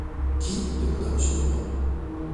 Qui ? demanda Monsieur Leblanc.